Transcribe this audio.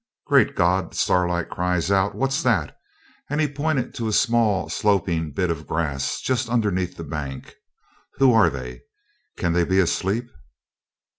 'Great God!' Starlight cries out, 'what's that?' and he pointed to a small sloping bit of grass just underneath the bank. 'Who are they? Can they be asleep?'